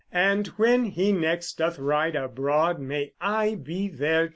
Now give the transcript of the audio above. And when he next doth ride abroad May I be there to see.